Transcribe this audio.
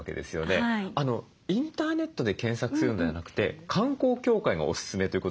インターネットで検索するのではなくて観光協会がおすすめということでした。